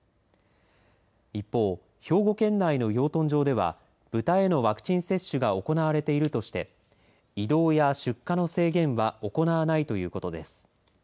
一方、兵庫県内の養豚場では豚へのワクチン接種が行われているとして移動や出荷の制限は行わないということです。